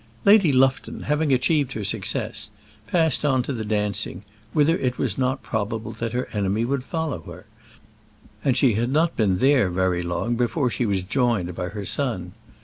Lady Lufton, having achieved her success, passed on to the dancing, whither it was not probable that her enemy would follow her, and she had not been there very long before she was joined by her son.